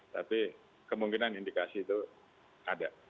tapi kemungkinan indikasi itu ada